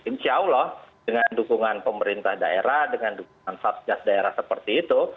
insya allah dengan dukungan pemerintah daerah dengan dukungan satgas daerah seperti itu